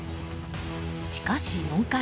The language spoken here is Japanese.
しかし、４回。